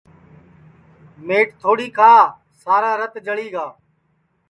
مئٹ تھوڑی کھا سارا رَت جاݪی دؔیا